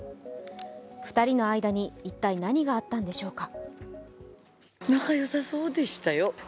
２人の間に一体、何があったのでしょうか。